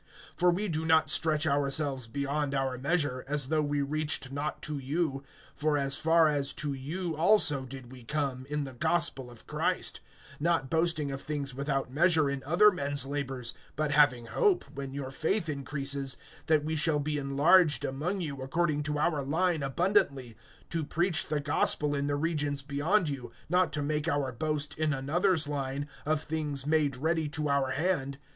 (14)For we do not stretch ourselves beyond our measure, as though we reached not to you; for as far as to you also did we come, in the gospel of Christ; (15)not boasting of things without measure in other men's labors; but having hope, when your faith increases, that we shall be enlarged among you according to our line abundantly, (16)to preach the gospel in the regions beyond you, not to make our boast, in another's line, of things made ready to our hand.